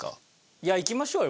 いやいきましょうよ